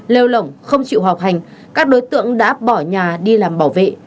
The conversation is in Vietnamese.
lêu lỏng không chịu học hành các đối tượng đã bỏ nhà đi làm bảo vệ